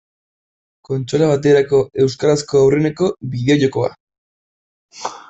Kontsola baterako euskarazko aurreneko bideo-jokoa.